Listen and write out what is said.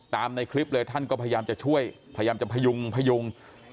ในคลิปเลยท่านก็พยายามจะช่วยพยายามจะพยุงพยุง